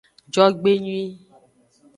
Jogbenyui.